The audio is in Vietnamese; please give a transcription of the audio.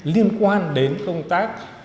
liên quan đến công tác